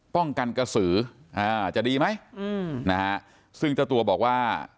กันกระสืออ่าจะดีไหมอืมนะฮะซึ่งเจ้าตัวบอกว่า